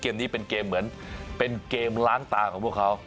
นี้เป็นเกมเหมือนเป็นเกมล้างตาของพวกเขา